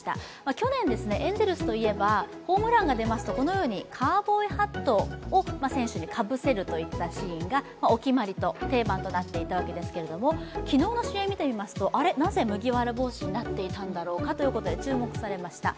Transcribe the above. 去年エンゼルスといえばホームランが出ますとこのようにカウボーイハットを選手にかぶせるといったシーンが定番となっていたわけですけど、昨日の試合見てみますと、なぜ麦わら帽子になっているんだろうかと注目されました。